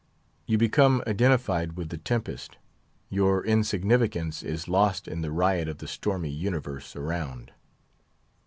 You become identified with the tempest; your insignificance is lost in the riot of the stormy universe around.